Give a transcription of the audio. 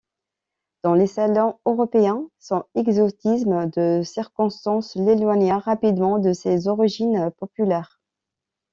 Dans les salons européens, son exotisme de circonstance l'éloigna rapidement de ses origines populaires.